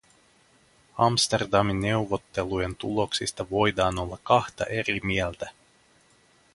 Amsterdamin neuvottelujen tuloksista voidaan olla kahta eri mieltä.